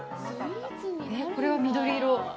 これは緑色。